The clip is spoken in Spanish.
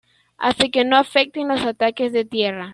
Hace que no afecten los ataques de tierra.